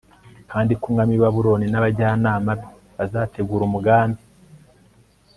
kandi ko umwami w'i babuloni n'abajyanama be bazategura umugambi